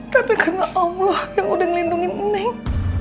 tapi karena allah yang udah ngelindungi neng